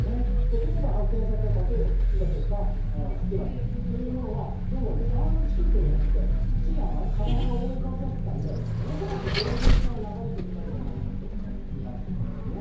今回発見された靴だとか服だとかっていうものはどうも沢の近くにあって土や枯れ葉が覆いかぶさっていたので恐らく上流から流れてきたのではないかとみられているんですよね。